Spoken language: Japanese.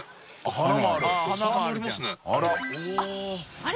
あれ？